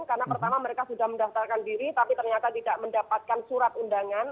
karena pertama mereka sudah mendaftarkan diri tapi ternyata tidak mendapatkan surat undangan